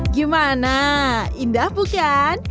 gimana indah bukan